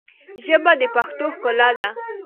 ژبه د پښتو ښکلا ده